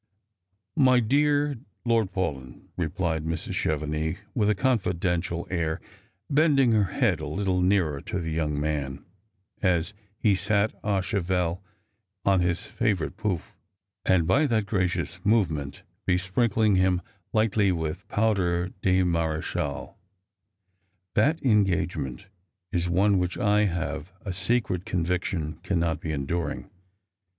" My dear Lord Paulyn," replied Mrs. Chevenix, with a con fidential air, bending her head a little nearer to tlie young man, as he sat a cheval on his favourite fovff. and by that gracious movement besprinkling him lightly with poudre de Marechale, Strangers and I*ilg7'ms. 231 *• that engagement is one wliicli I have a secret convictiou cannot be enduring.